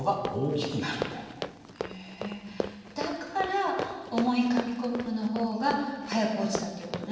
だから重い紙コップの方が速く落ちたっていう事ね。